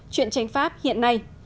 chuyện tranh pháp hiện nay